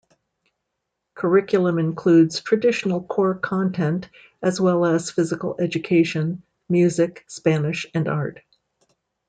Curriculum includes traditional core content, as well as physical education, music, Spanish, and art.